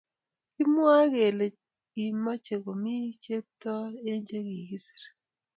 kimwoe kele kimochei komii chepto eng che kikiser